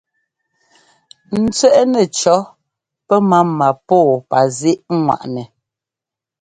N tsẅɛ́ꞌnɛ cɔ̌ pɛmáma pɔ́ɔpazíꞌŋwaꞌnɛ.